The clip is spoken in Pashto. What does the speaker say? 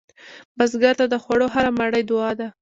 بزګر ته د خوړو هره مړۍ دعا ده